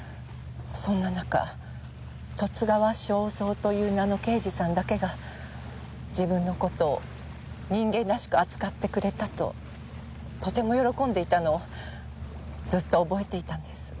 そんな中十津川省三という名の刑事さんだけが自分の事を人間らしく扱ってくれたととても喜んでいたのをずっと覚えていたんです。